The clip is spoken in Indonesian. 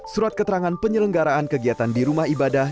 surat keterangan penyelenggaraan kegiatan di rumah ibadah